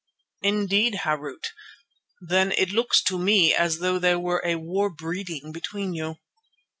"Indeed, Harût. Then it looks to me as though there were a war breeding between you."